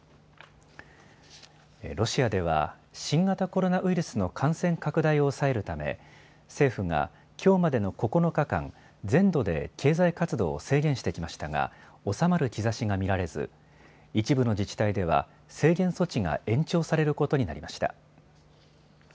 ロシアでは新型コロナウイルスの感染拡大を抑えるため政府が、きょうまでの９日間、全土で経済活動を制限してきましたが収まる兆しが見られず一部の自治体では制限措置が延長されることになりました。